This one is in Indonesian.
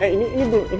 ini kita gak beli sam